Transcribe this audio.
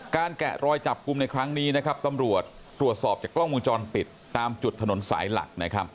การแกะรอยจับกุมในครั้งนี้ตำรวจตรวจสอบจากกล้องมุมจรปิดตามจุดถนนสายหลัก